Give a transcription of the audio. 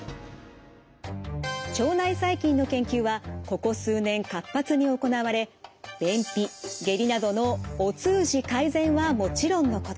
腸内細菌の研究はここ数年活発に行われ便秘下痢などのお通じ改善はもちろんのこと